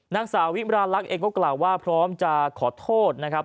นางสาวิมราลักษณ์เองก็กล่าวว่าพร้อมจะขอโทษนะครับ